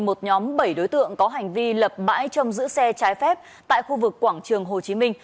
một nhóm bảy đối tượng có hành vi lập bãi trông giữ xe trái phép tại khu vực quảng trường hồ chí minh